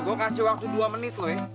gue kasih waktu dua menit lo ya